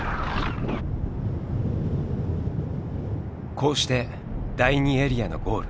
こうして第２エリアのゴール